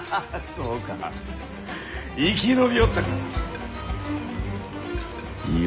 そうか生き延びおったか。